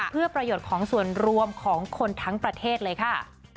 เพื่อประโยชน์ของส่วนรวมของคนทั้งประเทศเลยค่ะ